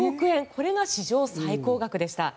これが史上最高額でした。